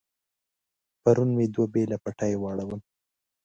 پرون مې دوه بېله پټي واړول.